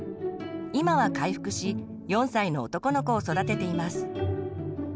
今は回復し４歳の男の子を育てています。